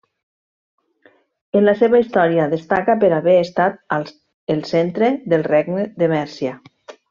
En la seva història destaca per haver estat el centre del regne de Mèrcia.